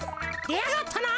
でやがったな！